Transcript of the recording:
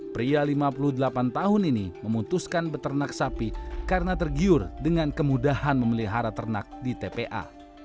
pria lima puluh delapan tahun ini memutuskan beternak sapi karena tergiur dengan kemudahan memelihara ternak di tpa